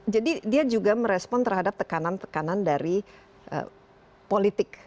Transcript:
jadi dia juga merespon terhadap tekanan tekanan dari politik